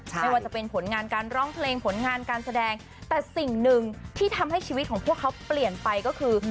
ไม่ว่าจะเป็นผลงานการร้องเพลงผลงานการแสดงแต่สิ่งหนึ่งที่ทำให้ชีวิตของพวกเขาเปลี่ยนไปก็คือ